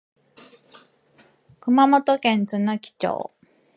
熊本県津奈木町